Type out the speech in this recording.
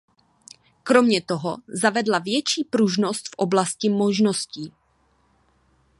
Kromě toho zavedla větší pružnost v oblasti možností.